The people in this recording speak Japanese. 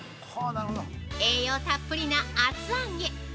◆栄養たっぷりな厚揚げ！